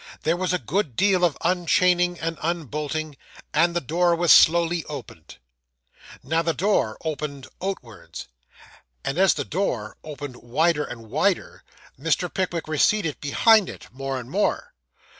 There was a good deal of unchaining and unbolting, and the door was slowly opened. Now the door opened outwards; and as the door opened wider and wider, Mr. Pickwick receded behind it, more and more.